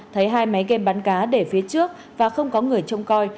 thấy hai máy game bắn cá để phía trước và không có người trông coi